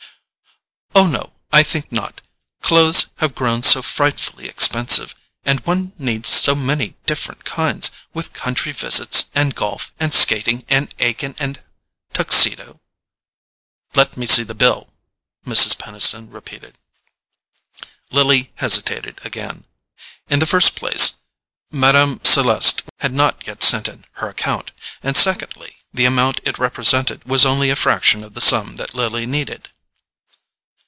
"Oh, no, I think not: clothes have grown so frightfully expensive; and one needs so many different kinds, with country visits, and golf and skating, and Aiken and Tuxedo——" "Let me see the bill," Mrs. Peniston repeated. Lily hesitated again. In the first place, Mme. Celeste had not yet sent in her account, and secondly, the amount it represented was only a fraction of the sum that Lily needed.